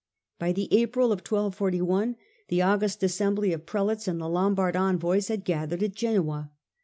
By the April of 1241 the august assembly of Prelates and the Lombard envoys had gathered at Genoa.